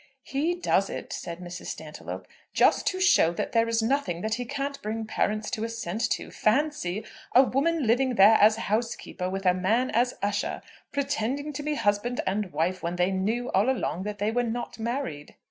"He does it," said Mrs. Stantiloup, "just to show that there is nothing that he can't bring parents to assent to. Fancy, a woman living there as house keeper with a man as usher, pretending to be husband and wife, when they knew all along that they were not married!"